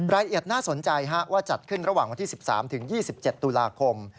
น่าสนใจว่าจัดขึ้นระหว่างวันที่๑๓๒๗ตุลาคม